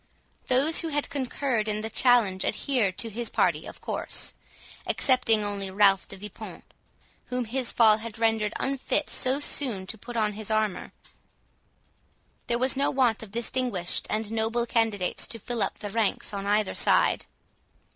Those who had concurred in the challenge adhered to his party of course, excepting only Ralph de Vipont, whom his fall had rendered unfit so soon to put on his armour. There was no want of distinguished and noble candidates to fill up the ranks on either side.